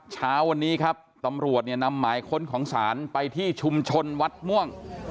เช้าวันนี้ครับตำรวจเนี่ยนำหมายค้นของศาลไปที่ชุมชนวัดม่วง